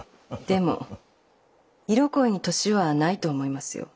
でも色恋に年はないと思いますよ。